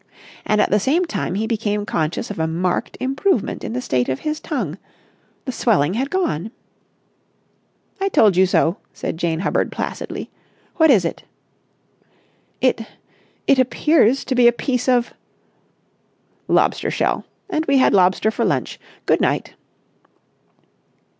And at the same time he became conscious of a marked improvement in the state of his tongue. The swelling had gone. "I told you so!" said Jane Hubbard placidly. "What is it?" "It—it appears to be a piece of...." "Lobster shell. And we had lobster for lunch. Good night."